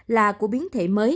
là cơ quan hôn luận của bộ y tế